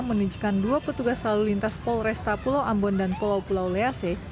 menunjukkan dua petugas lalu lintas polresta pulau ambon dan pulau pulau lease